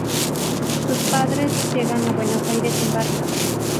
Sus padres llegan a Buenos Aires en barco.